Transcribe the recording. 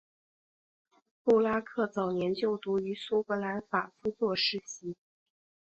布拉克早年就读于苏格兰法夫作实习。